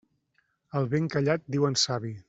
Al ben callat diuen savi.